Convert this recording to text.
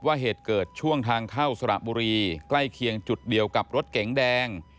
เหตุเกิดช่วงทางเข้าสระบุรีใกล้เคียงจุดเดียวกับรถเก๋งแดง